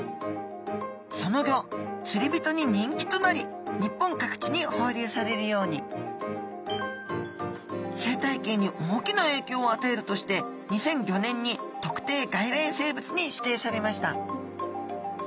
そのギョ釣り人に人気となり日本各地に放流されるように生態系に大きなえいきょうをあたえるとして２００５年に特定外来生物に指定されました